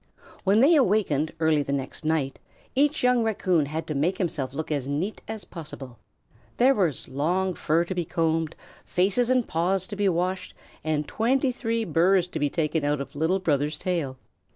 When they awakened, early the next night, each young Raccoon had to make himself look as neat as possible. There were long fur to be combed, faces and paws to be washed, and twenty three burrs to be taken out of Little Brother's tail.